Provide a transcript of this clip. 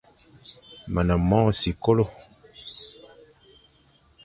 Me ne mong sikolo.